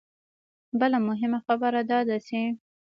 بله مهمه خبره دا ده چې